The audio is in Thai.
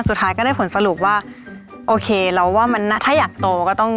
สุดท้ายก็ได้ผลสรุปว่าโอเคเราว่ามันถ้าอยากโตก็ต้อง